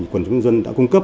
quần chúng dân đã cung cấp